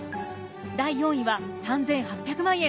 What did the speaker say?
第４位は３，８００万円